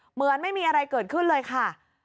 เหมือนไม่มีอะไรเกิดขึ้นเลยค่ะ